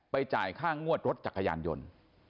จ่ายค่างวดรถจักรยานยนต์